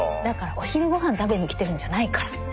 だからお昼ご飯食べに来てるんじゃないから。